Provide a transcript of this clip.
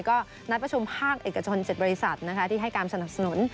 ก็นัดประชุมภาคเอกชน๗บริษัทที่ให้การสนับสนุน